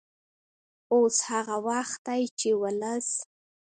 اوس هغه وخت دی چې ولس